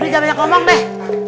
udah gak banyak ngomong deh